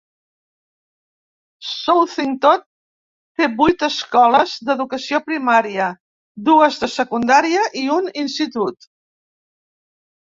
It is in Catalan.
Southington té vuit escoles d'educació primària, dues de secundaria i un institut.